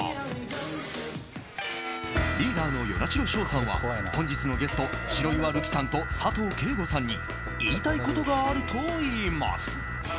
リーダーの與那城奨さんは本日のゲスト、白岩瑠姫さんと佐藤景瑚さんに言いたいことがあるといいます。